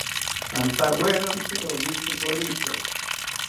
Antawerintzi rowitzi koritzi